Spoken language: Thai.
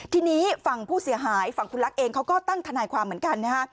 ทีนี้ฝั่งผู้เสียหายฝั่งคุณลักษณ์เองเขาก็ตั้งทนายความเหมือนกันนะฮะ